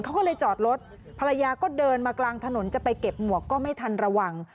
เขาก็เลยจอดรถภรรยาก็เดินมากลางถนนจะไปเก็บหมวกก็ไม่ทันระวัง